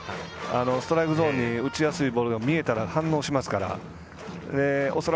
ストライクゾーンに打ちやすいボールが見えたら反応しますから。